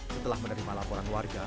setelah menerima laporan warga